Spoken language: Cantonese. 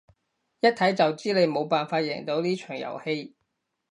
一睇就知你冇辦法贏到呢場遊戲